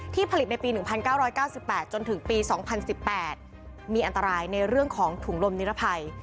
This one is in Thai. ผลิตในปี๑๙๙๘จนถึงปี๒๐๑๘มีอันตรายในเรื่องของถุงลมนิรภัย